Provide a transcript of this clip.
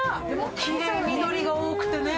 きれい、緑が多くてね。